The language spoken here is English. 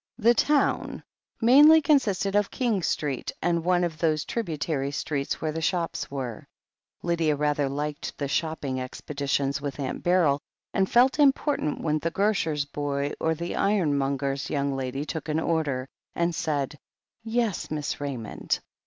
"The town" mainly consisted of King Street and one of those tributary streets where the shops were. Lydia rather liked the shopping expeditions with Aunt Beryl, and felt important when the grocer's boy or THE HEEL OF ACHILLES 19 the ironmonger's yoting lady took an order, and said, "Yes, Miss Raymond.